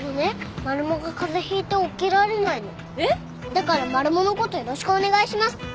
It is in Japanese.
だからマルモのことよろしくお願いします。